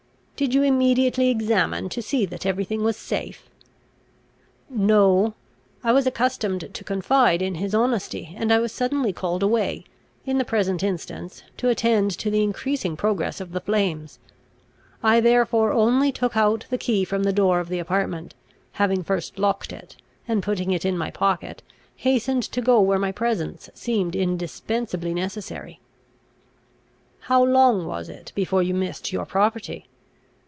"Did you immediately examine to see that every thing was safe?" "No. I was accustomed to confide in his honesty, and I was suddenly called away, in the present instance, to attend to the increasing progress of the flames. I therefore only took out the key from the door of the apartment, having first locked it, and, putting it in my pocket, hastened to go where my presence seemed indispensably necessary." "How long was it before you missed your property?"